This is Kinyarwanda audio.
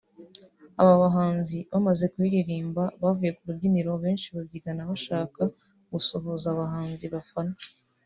aba bahanzi bamaze kuyiririmba bavuye ku rubyiniro benshi babyigana bashaka gusuhuza abahanzi bafana